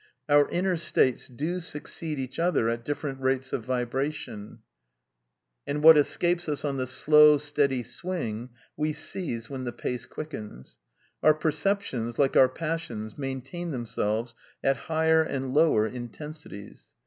Our inner states do succeed each other I at different rates of vibration, and what escapes us on the \ slow, steady swing, we seize when the pace quickens. Our I perceptions, like our passions, maintain themselves at / higher and lower intensities.